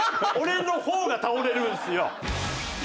俺の方が倒れるんですよ。